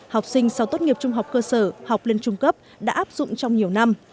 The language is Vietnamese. học sinh sau tốt nghiệp trung học cơ sở học lên trung cấp đã áp dụng trong nhiều năm